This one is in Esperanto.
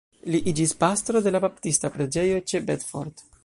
Li iĝis pastro de la baptista preĝejo ĉe Bedford.